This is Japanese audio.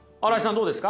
どうですか？